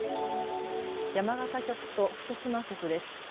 山形局と福島局です。